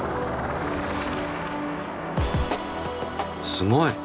すごい！